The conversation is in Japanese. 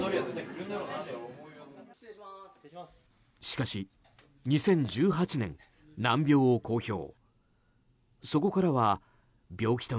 しかし、２０１８年難病を公表。